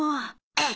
えっ。